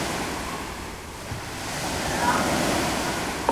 څوک حاجیان دي څوک پیران څوک عالمان دي،